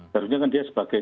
seharusnya kan dia sebagai